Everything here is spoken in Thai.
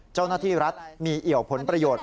เจ้าหน้าที่รัฐมีเอี่ยวผลประโยชน์